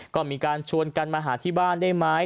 ก็มีการชวนกันมาหาที่บ้านได้ไหม